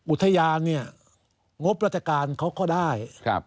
อุทยานเนี่ยงบราชการเขาก็ได้